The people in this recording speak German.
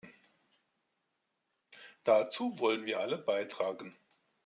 Dazu wollen wir alle beitragen.